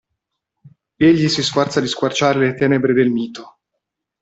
Egli si sforza di squarciare le tenebre del mito.